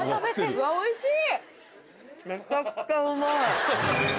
うわおいしい！